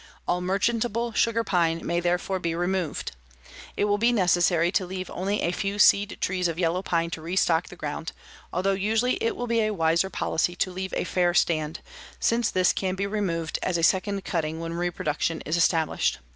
All merchantable sugar pine may therefore be removed. It will be necessary to leave only a few seed trees of yellow pine to restock the ground, although usually it will be a wiser policy to leave a fair stand, since this can be removed as a second cutting when reproduction is established.